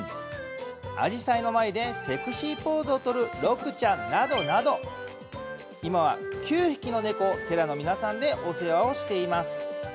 アジサイの前でセクシーポーズを取るロクちゃんなどなど今は９匹の猫を寺の皆さんでお世話をしています。